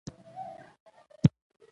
اجازه یې ورنه کړه.